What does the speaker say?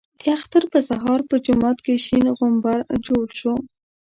د اختر په سهار په جومات کې شین غومبر جوړ شو.